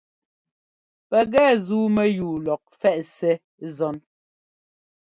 Pɛkɛ zúu mɛyúu lɔk ɛ́fɛꞌ Ssɛ́ zɔ́n.